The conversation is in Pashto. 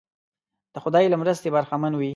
د خدای له مرستې برخمن وي.